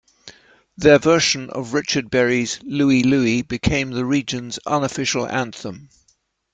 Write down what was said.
Their version of Richard Berry's "Louie, Louie" became the region's unofficial anthem.